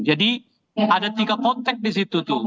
jadi ada tiga konteks di situ tuh